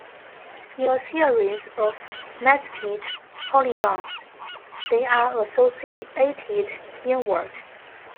In a series of nested polygons, they are associated inward.